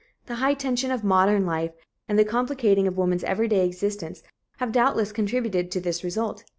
The high tension of modern life and the complicating of woman's everyday existence have doubtless contributed to this result.